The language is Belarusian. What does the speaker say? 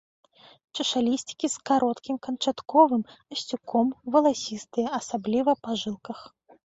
Чашалісцікі з кароткім канчатковым асцюком, валасістыя, асабліва па жылках.